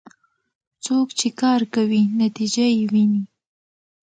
څوک چې کار کوي، نتیجه یې ويني.